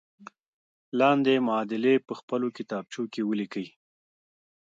لاندې معادلې په خپلو کتابچو کې ولیکئ.